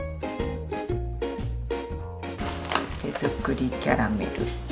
「手づくりキャラメル」。